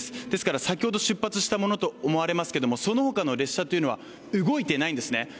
ですから先ほど出発したものと思われますけれども、そのほかの列車は動いていないんですね。